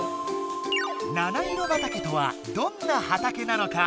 「七色畑」とはどんな畑なのか？